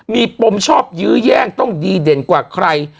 มีปมชอบยื้อแย่งต้องดีเด่นกว่าใคร